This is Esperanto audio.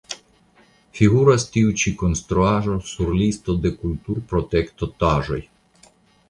Figuras tiu ĉi konstruaĵo sur listo de kulturprotektotaĵoj.